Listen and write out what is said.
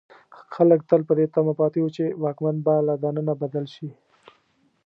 خلک تل په دې تمه پاتې وو چې واکمن به له دننه بدل شي.